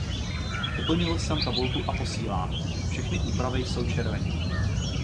Doplnil jsem tabulku a posílám. Všechny úpravy jsou červeně.